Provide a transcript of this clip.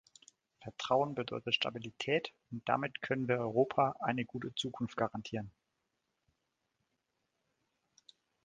Vertrauen bedeutet Stabilität, und damit können wir Europa eine gute Zukunft garantieren.